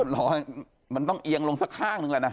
รอยมันต้องเอียงลงสักข้างหนึ่งแล้วนะ